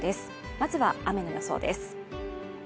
まずは雨の予想です。